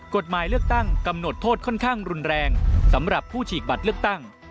กฎหมายเลือกตั้งกำหนดโทษค่อนข้างรุนแรงสำหรับผู้ฉีกบัตรเลือกตั้ง